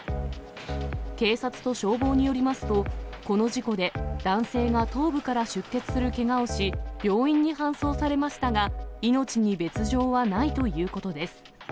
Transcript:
警察と消防によりますと、この事故で、男性が頭部から出血するけがをし、病院に搬送されましたが、命に別状はないということです。